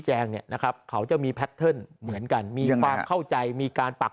แจงเนี้ยนะครับเขาจะมีเหมือนกันมีความเข้าใจมีการปัก